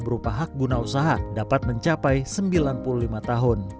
berupa hak guna usaha dapat mencapai sembilan puluh lima tahun